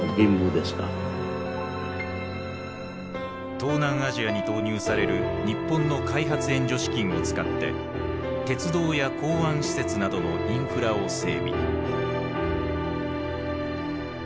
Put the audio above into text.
東南アジアに投入される日本の開発援助資金を使って鉄道や港湾施設などのインフラを整備。